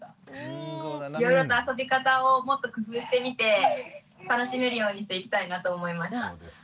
いろいろと遊び方をもっと工夫してみて楽しめるようにしていきたいなと思いました。